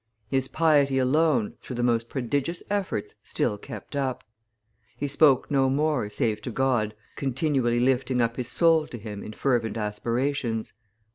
His piety alone, through the most prodigious efforts, still kept up; he spoke no more, save to God, continually lifting up his soul to him in fervent aspirations.